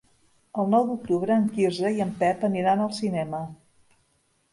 El nou d'octubre en Quirze i en Pep aniran al cinema.